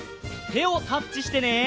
てをタッチしてね！